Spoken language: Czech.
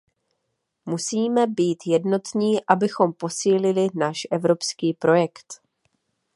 Musíme být jednotní, abychom posílili náš evropský projekt.